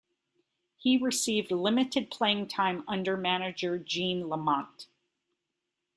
He received limited playing time under manager Gene Lamont.